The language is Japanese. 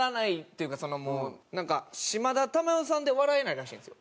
なんか島田珠代さんで笑えないらしいんですよ。